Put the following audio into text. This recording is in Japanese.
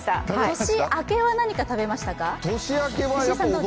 年明けは何か食べましたか？